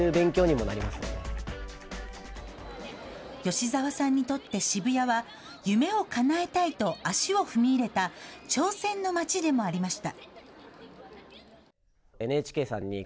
吉澤さんにとって渋谷は夢をかなえたいと足を踏み入れた挑戦の街でもありました。